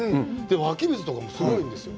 湧き水とかもすごいんですよ。